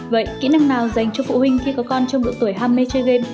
vậy kỹ năng nào dành cho phụ huynh khi có con trong độ tuổi ham mê chơi game